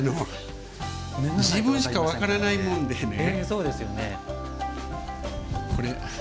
自分しか分からないものでね。